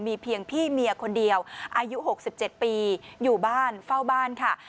มีเพียงพี่เมียคนเดียวอายุ๖๗ปีอยู่บ้านเฝ้าบ้านค่ะ